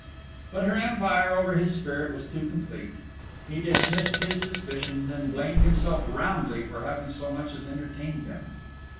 But her empire over his spirit was too complete, he dismissed his suspicions, and blamed himself roundly for having so much as entertained them.